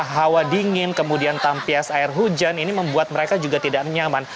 hawa dingin kemudian tampias air hujan ini membuat mereka juga tidak nyaman